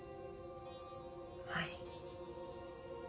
はい。